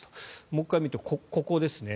もう１回見ると、ここですね。